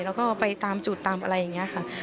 แล้วก็ไปตามจุดตามอะไรอย่างนี้ค่ะ